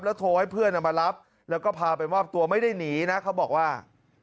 โทรให้เพื่อนมารับแล้วก็พาไปมอบตัวไม่ได้หนีนะเขาบอกว่า